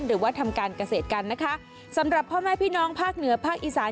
หรือว่าทำการเกษตรกันนะคะสำหรับพ่อแม่พี่น้องภาคเหนือภาคอีสาน